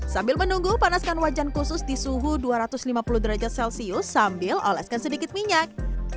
sambil menunggu panaskan wajan khusus di suhu dua ratus lima puluh derajat celcius sambil oleskan sedikit minyak